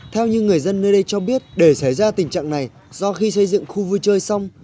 theo như người dân nơi đây cho biết để xảy ra tình trạng này do khi xây dựng khu vui chơi xong